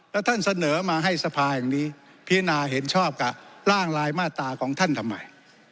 แล้วท่านเสนอมาให้สภาแห่งนี้พิจารณาเห็นชอบกับร่างลายมาตราของท่านทำไม